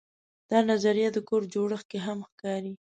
دا نظریه د کور جوړښت کې هم ښکاري.